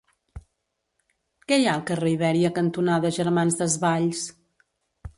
Què hi ha al carrer Ibèria cantonada Germans Desvalls?